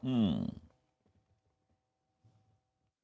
อืม